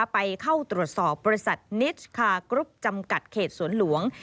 ไปเข้าตรวจสอบบริษัทนิสคาร์กรุ๊ปจำกัดเขตสวนหลวง